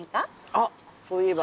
あっそういえば。